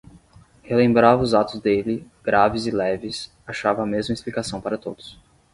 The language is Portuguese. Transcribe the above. Relembrava os atos dele, graves e leves, achava a mesma explicação para todos.